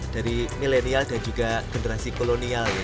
dari milenial dan juga generasi kolonial